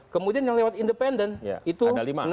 kemudian yang lewat independen itu